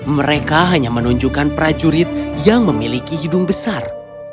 mereka hanya menunjukkan prajurit yang memiliki hidung besar